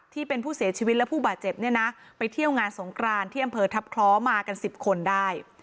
ที่เป็นผู้เสียชีวิตและผู้บาดเจ็บเนี่ยนะไปเที่ยวงานสงครานที่อำเภอทัพคล้อมากัน๑๐คนได้